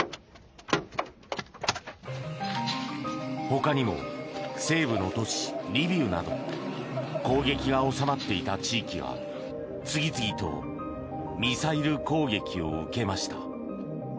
他にも西部の都市リビウなど攻撃が収まっていた地域が次々とミサイル攻撃を受けました。